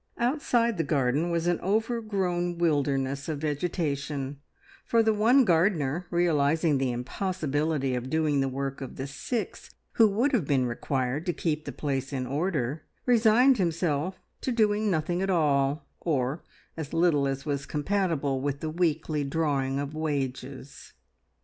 Outside the garden was an overgrown wilderness of vegetation, for the one gardener, realising the impossibility of doing the work of the six who would have been required to keep the place in order, resigned himself to doing nothing at all, or as little as was compatible with the weekly drawing of wages.